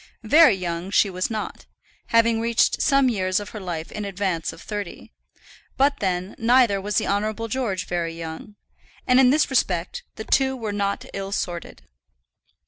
Very young she was not, having reached some years of her life in advance of thirty; but then, neither was the Honourable George very young; and in this respect the two were not ill sorted.